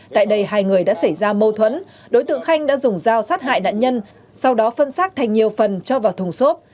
tại đây hai người đã xảy ra mâu thuẫn đối tượng khanh đã dùng dao sát hại nạn nhân sau đó phân xác thành nhiều phần cho vào thùng xốp